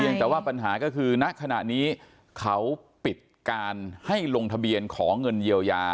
ยังแต่ว่าปัญหาก็คือณขณะนี้เขาปิดการให้ลงทะเบียนขอเงินเยียวยา